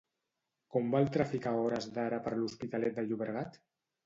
Com va el tràfic a hores d'ara per l'Hospitalet de Llobregat?